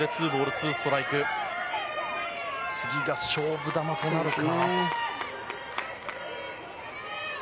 次が勝負球となるか。